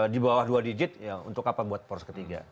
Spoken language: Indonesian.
di bawah dua digit ya untuk apa